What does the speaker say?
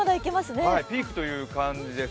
ピークという感じです。